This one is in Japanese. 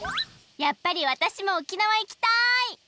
やっぱりわたしも沖縄いきたい！